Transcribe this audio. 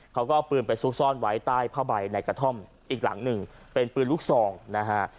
เขาก็เอาปืนไปซุกซ่อนไว้ใต้ผ้าใบในกระท่อมอีกหลังหนึ่งเป็นปืนลูกซองนะฮะ